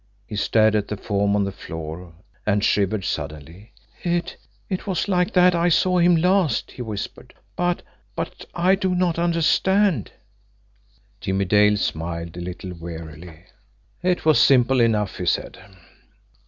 He stared at the form on the floor, and shivered suddenly. "It it was like that I saw him last!" he whispered. "But but I do not understand." Jimmie Dale smiled a little wearily. "It was simple enough," he said.